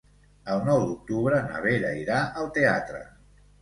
El nou d'octubre na Vera irà al teatre.